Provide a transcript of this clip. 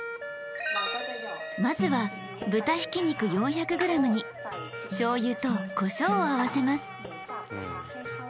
まずは豚ひき肉４００ｇにしょうゆとこしょうを合わせます。